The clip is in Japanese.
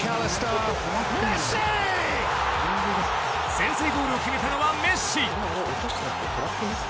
先制ゴールを決めたのはメッシ！